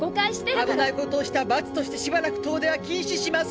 危ないことをした罰としてしばらく遠出は禁止します。